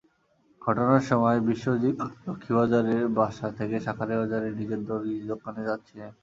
ঘটনার সময় বিশ্বজিৎ লক্ষ্মীবাজারের বাসা থেকে শাঁখারীবাজারে নিজের দর্জি দোকানে যাচ্ছিলেন।